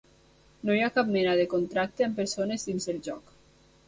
No hi ha cap mena de contacte amb persones dins del joc.